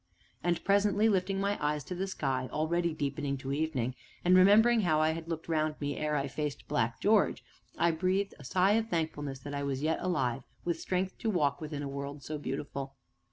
And presently, lifting my eyes to the sky, already deepening to evening, and remembering how I had looked round me ere I faced Black George, I breathed a sigh of thankfulness that I was yet alive with strength to walk within a world so beautiful.